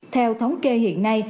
theo thống kê hiện nay